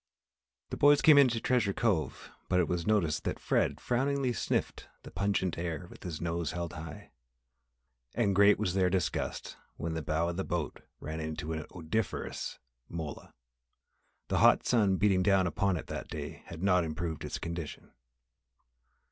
The boys came into Treasure Cove but it was noticed that Fred frowningly sniffed the pungent air with nose held high. And great was their disgust when the bow of the boat ran into an odoriferous mola. The hot sun beating down upon it that day had not improved its condition.